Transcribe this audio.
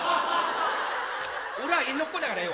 俺は江戸っ子だからよ。